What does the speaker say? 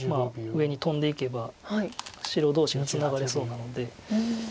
上にトンでいけば白同士がツナがれそうなので。